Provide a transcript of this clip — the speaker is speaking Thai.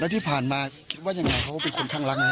แล้วที่ผ่านมาคิดว่าอย่างไรเขาเป็นคนคั่งรักนะฮะ